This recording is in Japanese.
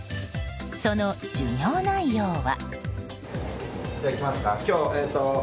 その授業内容は。